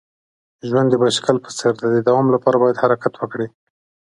ژوند د بایسکل په څیر دی. د دوام لپاره باید حرکت وکړې.